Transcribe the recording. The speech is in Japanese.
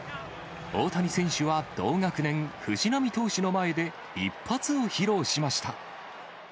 大谷選手は同学年、藤浪投手の前で一発を披露しました。